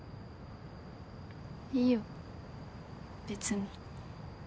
いいよ別に。